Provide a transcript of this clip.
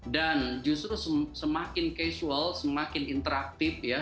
dan justru semakin casual semakin interaktif ya